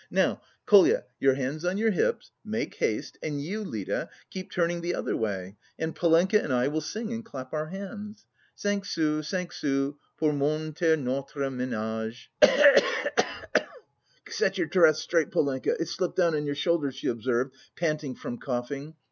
Now, Kolya, your hands on your hips, make haste, and you, Lida, keep turning the other way, and Polenka and I will sing and clap our hands! "Cinq sous, cinq sous Pour monter notre menage." (Cough cough cough!) "Set your dress straight, Polenka, it's slipped down on your shoulders," she observed, panting from coughing.